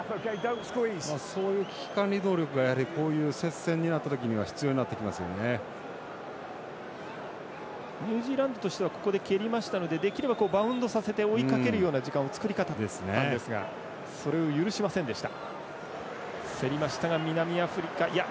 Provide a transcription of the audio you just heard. そういう危機管理能力がこういう接戦になった時はニュージーランドとしてはここで蹴りましたのでできればバウンドさせて追いかけるような時間を作りたかったんですがそれを許しませんでした。